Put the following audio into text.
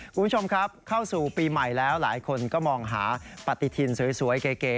คุณผู้ชมครับเข้าสู่ปีใหม่แล้วหลายคนก็มองหาปฏิทินสวยเก๋